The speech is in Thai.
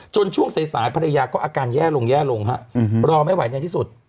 จนช่วงสายภรรยาก็อาการแย่ลงรอไม่ไหวในที่สุด